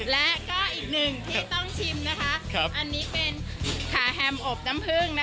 และก็อีกหนึ่งที่ต้องชิมนะคะอันนี้เป็นขาแฮมอบน้ำผึ้ง